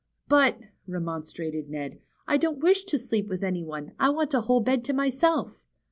But," remonstrated Ned, I don't wish to sleep with any one. I want a whole bed to myself."